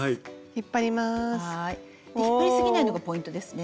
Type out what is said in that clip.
引っ張りすぎないのがポイントですね。